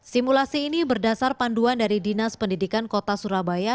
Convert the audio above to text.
simulasi ini berdasar panduan dari dinas pendidikan kota surabaya